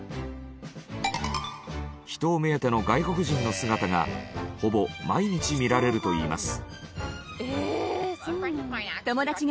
秘湯目当ての外国人の姿がほぼ毎日見られるといいます。